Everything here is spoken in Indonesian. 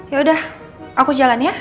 yaudah aku jalan ya